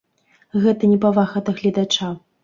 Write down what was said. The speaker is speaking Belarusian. Гэта непавага да гледача!